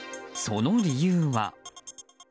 その理由は。